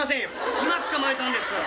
今つかまえたんですから。